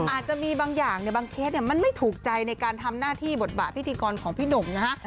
อาจจะมีบางอย่างเนี่ยบางเคสเนี่ยมันไม่ถูกใจในการทำหน้าที่บทบาทพิธีกรของพี่หนุ่มนะฮะ